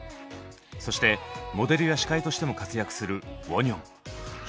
そしてモデルや司会としても活躍するウォニョン。